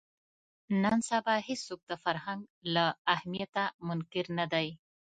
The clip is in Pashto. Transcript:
نن سبا هېڅوک د فرهنګ له اهمیته منکر نه دي